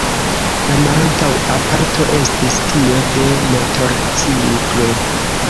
La malantaŭa parto estis tio de motorciklo.